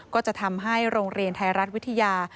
ก็จะทำให้โรงเรียนไทยรัฐวิทยา